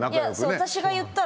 私が言ったら。